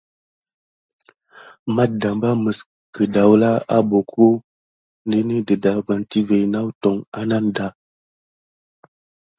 Matdamba məs kədawla abbockəka ɗənəhi dədarbane tivé nawtoŋ ananda.